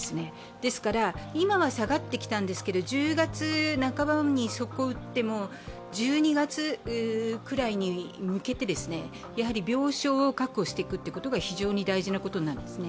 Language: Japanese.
ですから今は下がってきたんですけど、１０月半ばに底を打っても１２月くらいに向けて、やはり病床を確保していくことが非常に大事なことなんですね。